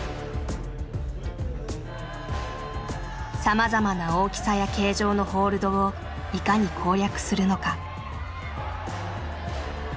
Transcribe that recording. さまざまな大きさや形状のホールドをいかに攻略するのか。